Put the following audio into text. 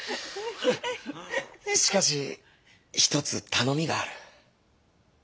しかし一つ頼みがある。